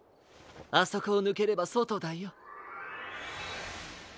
あそこをぬければそとだよ。